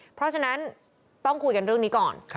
เพราะฉะนั้นต้องคุยกันเรื่องนี้ก่อน